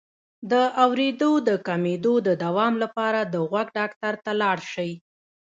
د اوریدو د کمیدو د دوام لپاره د غوږ ډاکټر ته لاړ شئ